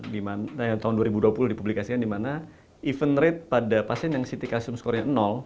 di mana tahun dua ribu dua puluh dipublikasikan di mana event rate pada pasien yang ct calcium scoret